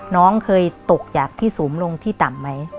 น้องเคยตกจากที่สูงลงที่ต่ำไหม